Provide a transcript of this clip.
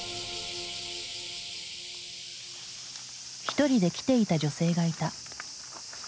一人で来ていた女性がいた。